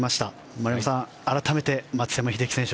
丸山さん、改めて松山英樹選手